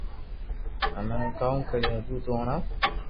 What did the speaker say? ھمي ھو ڪاو ڪري ھگو تو ھڻاو